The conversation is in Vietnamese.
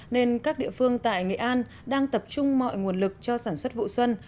nên các địa phương tại nghệ an đang tập trung mọi nguồn lực cho sản xuất vụ xuân